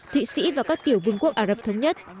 thụy sĩ và các tiểu vương quốc ả rập thống nhất